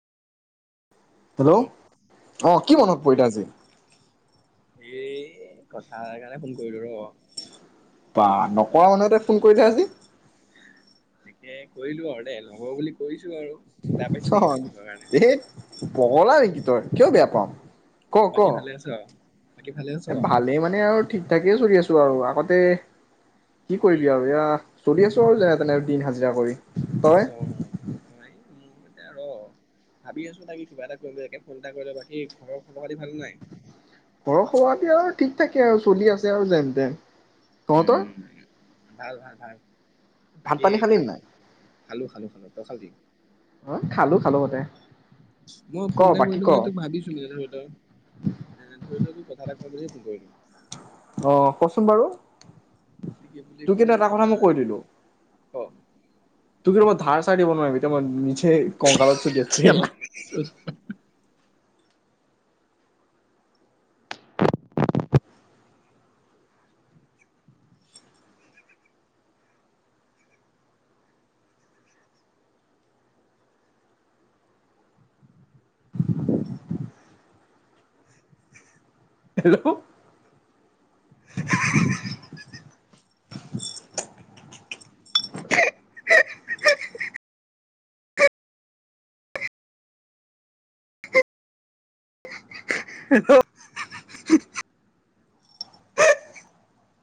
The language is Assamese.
হেল্ল' অহ, কি মনত পৰিলে আজি? এ কথা কাৰণে ফোন কৰিলো ৰ'। বা নকৰা মানুহ এটাই ফোন কৰিলে আজি। তাকে কৰিলো আৰু দে লগৰ বুলি কৰিছো। আৰু বেয়া পাইছা নেকি তুমি ফোন কৰা কাৰণে? ধেত পগলা নেকি তই কিয় বেয়া পাওঁ। ক ক বাকী ভালে আছ'? বাকী ভালে আছ এ ভালেই মানে আৰু ঠিক ঠাকেই চলি আছো আৰু আগতে কি উম কৰিবি আৰু এয়া চলি আছোঁ আৰু যেনে তেনে দিন হাজিৰা কৰি। তই অ', নাই এয়া ৰ' ভাবি আছো তাক কি কিবা এটা কৰিম তে ফোন এটা কৰিলে বাকী ঘৰৰ খব পাতি ভাল নাই? ঘৰৰ সভাতে আৰু ঠিক থাকে আৰু চলি আছে আৰু যেন তেন। তহঁতৰ উম। ভাল, ভাল, ভাল। ভাত বাকী পানী খালী খানা নাই? খালো, খালো তই খালি? অ খালো, খালো মই ক ফোন এটা বাকী কৰিলো ক ম তোক ভাবিছো ন' ধৰি ল এ ধৰি ল' তোক কথা এটা কওঁ বুলিহে ফোন কৰিলো। অ', কচোন বাৰু। কি তই কিন্তু এটা কথা মই কৈ দিলো। অ'। তু কি মই ধাৰ দিব নোৱাৰিম মই চে ককালত চ দে এটা ক হেল্ল' হেল্ল'